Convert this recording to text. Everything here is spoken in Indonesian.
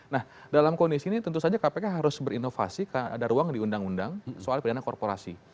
nah dalam kondisi ini tentu saja kpk harus berinovasi karena ada ruang di undang undang soal pidana korporasi